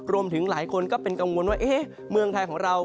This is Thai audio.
รวมถึงหลายคนก็เป็นกังวลว่าเมืองไทยของเรา